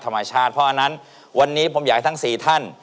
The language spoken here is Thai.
ธรรมชาติเพราะอันนั้นวันนี้ผมอยากให้ทั้ง๔ท่าน